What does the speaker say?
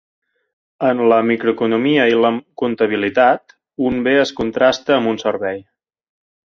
En la microeconomia i la comptabilitat un bé es contrasta amb un servei.